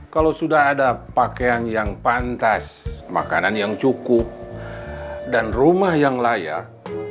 kalau sudah ada pakaian yang pantas makanan yang cukup dan rumah yang layak